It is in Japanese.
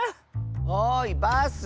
おいバス！